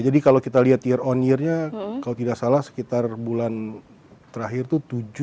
jadi kalau kita lihat year on year nya kalau tidak salah sekitar bulan terakhir itu tujuh tiga puluh dua